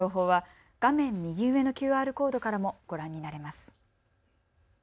このニュースの詳しい情報は画面右上のＱＲコードからもご覧になれます。